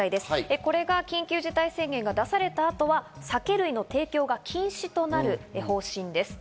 これが緊急事態宣言が出された後は酒類の提供が禁止となる方針です。